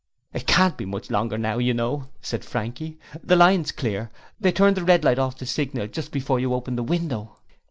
'It can't be much longer now, you know,' said Frankie. 'The line's clear. They turned the red light off the signal just before you opened the window.'